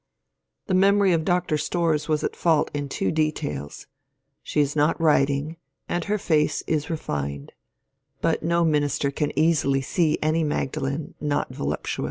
The memory of Dr. Storrs was at fault in two details ; she is not rid ing, and her face is refined ; but no minister can easily see any Mag dalene not voluptuous.